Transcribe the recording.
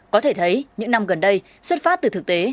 có thể thấy những năm gần đây xuất phát từ thực tế